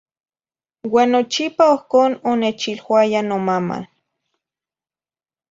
Uan nochipa ohcón onechiluaya nomama.